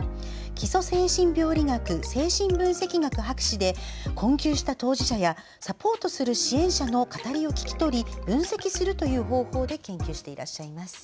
基礎精神病理学精神分析学博士で困窮した当事者やサポートする支援者の語りを聞き取り、分析するという方法で研究していらっしゃいます。